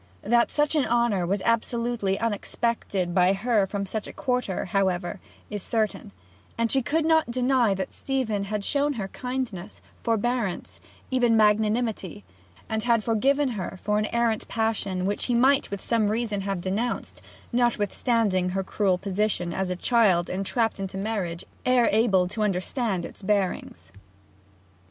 That such honour was absolutely unexpected by her from such a quarter is, however, certain; and she could not deny that Stephen had shown her kindness, forbearance, even magnanimity; had forgiven her for an errant passion which he might with some reason have denounced, notwithstanding her cruel position as a child entrapped into marriage ere able to understand its bearings.